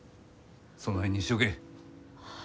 その辺にしちょけ。